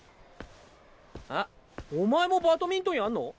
えお前もバトミントンやんの？